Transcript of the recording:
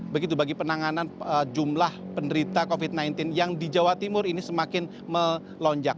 begitu bagi penanganan jumlah penderita covid sembilan belas yang di jawa timur ini semakin melonjak